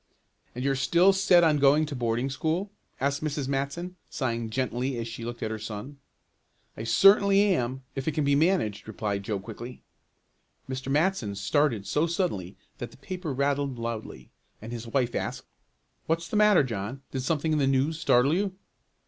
"And you're still set on going to boarding school?" asked Mrs. Matson, sighing gently as she looked at her son. "I certainly am if it can be managed," replied Joe quickly. Mr. Matson started so suddenly that the paper rattled loudly, and his wife asked: "What's the matter, John, did something in the news startle you?"